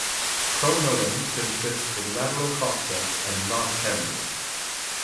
Pronotum consists with lateral costa and not carinate.